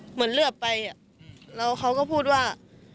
เหลือไปแล้วเขาก็พูดว่า